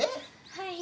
はい。